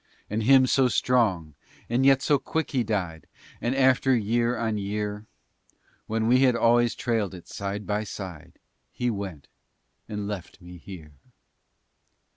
And him so strong, and yet so quick he died, And after year on year When we had always trailed it side by side, He went and left me here!